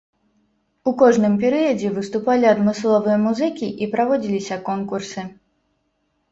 У кожным перыядзе выступалі адмысловыя музыкі і праводзіліся конкурсы.